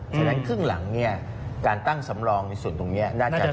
ฉะนั้นขึ้นหลังการตั้งสำรองในส่วนตรงนี้น่าจะชะลอ